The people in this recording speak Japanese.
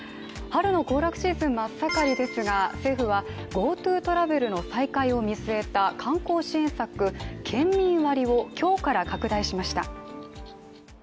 春の行楽シーズン真っ盛りですが政府はＧｏＴｏトラベルの再開を見据えた観光支援策、県民割を今日から拡大しました。